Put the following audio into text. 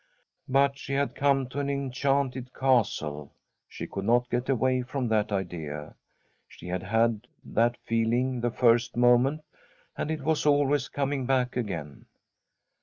But she had come to an enchanted castle — she could not get away from that idea. She had had that feeling the first moment, and it was always coming back again.